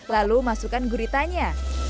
lalu masukkan guritanya